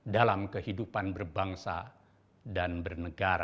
dalam kehidupan berbangsa dan bernegara